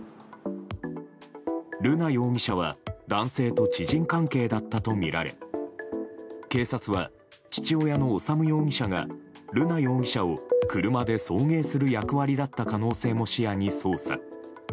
瑠奈容疑者は男性と知人関係だったとみられ警察は、父親の修容疑者が瑠奈容疑者を車で送迎する役割だった可能性も視野に捜査。